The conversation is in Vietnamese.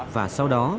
và sau đó